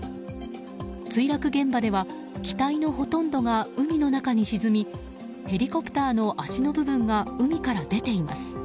墜落現場では機体のほとんどが海の中に沈みヘリコプターの脚の部分が海から出ています。